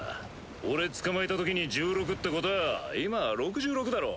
俺捕まえたときに１６ってことは今６６だろ。